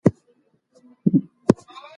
په مورنۍ ژبه پوهېدل د اړیکو لپاره اسانتیا ده.